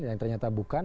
yang ternyata bukan